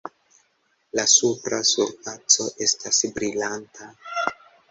La supra surfaco estas brilanta.